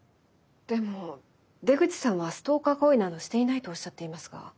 でも出口さんはストーカー行為などしていないとおっしゃっていますが。